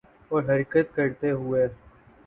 اور حرکت کرتے ہوئے